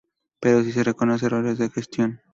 Pero, si reconoce errores de gestión.